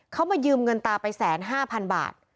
เขามายืมเงินตาไปแสนห้าพันบาท